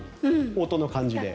音の感じで。